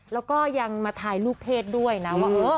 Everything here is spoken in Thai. แล้วก็ยังมาถ่ายรูปเพศด้วยนะว่า